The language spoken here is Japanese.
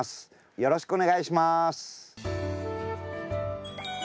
よろしくお願いします。